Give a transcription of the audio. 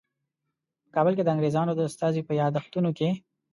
په کابل کې د انګریزانو د استازي په یادښتونو کې.